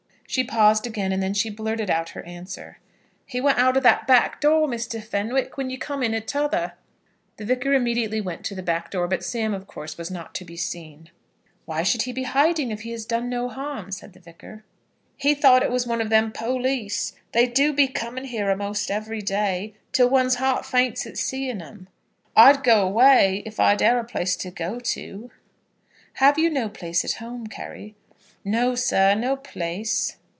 She paused again, and then she blurted out her answer. "He went out o' that back door, Mr. Fenwick, when you came in at t'other." The Vicar immediately went to the back door, but Sam, of course, was not to be seen. "Why should he be hiding if he has done no harm?" said the Vicar. "He thought it was one of them police. They do be coming here a'most every day, till one's heart faints at seeing 'em. I'd go away if I'd e'er a place to go to." "Have you no place at home, Carry?" "No, sir; no place."